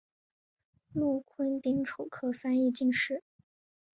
禄坤丁丑科翻译进士。